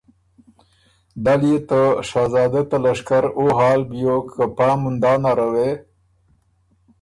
دل يې ته شهزاده ته لشکر او حال بیوک که پا مندا نره وې